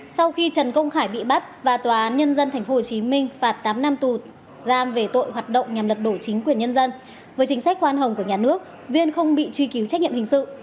sau khi trần công khả bị bắt và tòa án nhân dân tp hcm phạt tám năm tù giam về tội hoạt động nhằm lật đổ chính quyền nhân dân với chính sách khoan hồng của nhà nước viên không bị truy cứu trách nhiệm hình sự